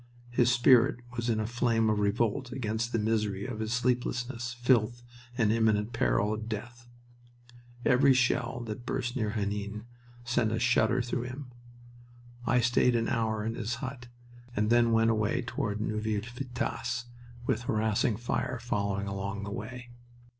His spirit was in a flame of revolt against the misery of his sleeplessness, filth, and imminent peril of death. Every shell that burst near Henin sent a shudder through him. I stayed an hour in his hut, and then went away toward Neuville Vitasse with harassing fire following along the way.